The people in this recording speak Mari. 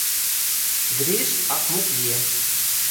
Гриш акмук лие.